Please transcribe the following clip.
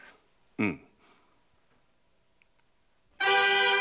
うん。